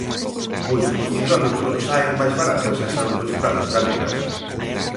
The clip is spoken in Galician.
Pois por quilómetro saen máis baratas as autoestradas galegas.